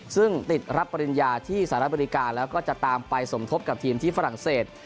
ซึ่งติดรับปริญญาที่สหรัฐอเมริกาแล้วก็จะตามไปสมทบกับทีมที่ฝรั่งเศส